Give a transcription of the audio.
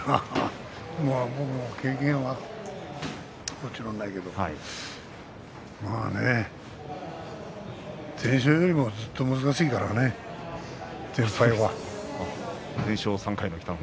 僕も経験はもちろんないけど、まあね全勝よりもずっと難しいからね全敗は。